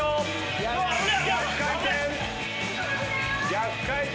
逆回転。